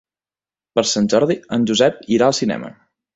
Per Sant Jordi en Josep irà al cinema.